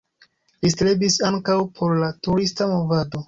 Li strebis ankaŭ por la turista movado.